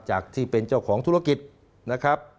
จากที่เป็นเจ้าของธุรกิจนะครับ